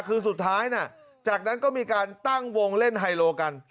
คือสุดท้ายจากนั้นก็มีการตั้งวงเล่นไฮโลกัน